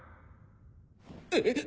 えっ？